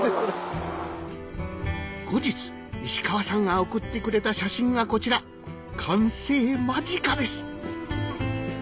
後日石川さんが送ってくれた写真がこちら完成間近です！